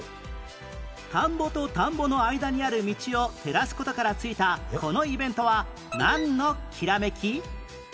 田んぼと田んぼの間にある道を照らす事から付いたこのイベントはなんのきらめき？